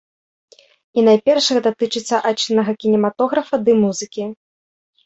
І найперш гэта тычыцца айчыннага кінематографа ды музыкі.